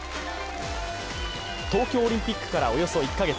東京オリンピックからおよそ１カ月。